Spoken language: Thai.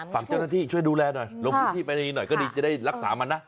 ฝากเจ้าหน้าที่ช่วยดูแลหน่อยลงพื้นที่ไปในนี้หน่อยก็ดีจะได้รักษามันนะ